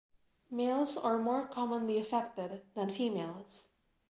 Males are more commonly affected than females.